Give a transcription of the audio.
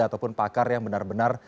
ataupun pakar yang benar benar